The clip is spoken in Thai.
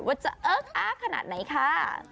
ว่าจะเอิ๊กอาร์กขนาดไหนค่ะ